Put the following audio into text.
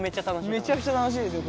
めちゃくちゃ楽しいですよ